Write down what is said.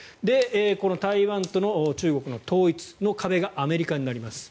この台湾との中国との統一の壁がアメリカになります。